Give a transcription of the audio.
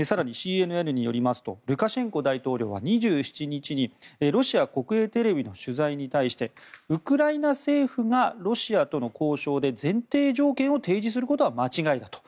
更にＣＮＮによりますとルカシェンコ大統領は２７日にロシア国営テレビの取材に対してウクライナ政府がロシアとの交渉で前提条件を提示することは間違いだと。